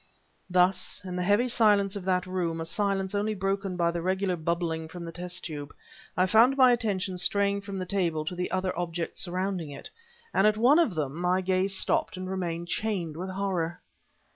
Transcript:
Thus, in the heavy silence of that room, a silence only broken by the regular bubbling from the test tube, I found my attention straying from the table to the other objects surrounding it; and at one of them my gaze stopped and remained chained with horror.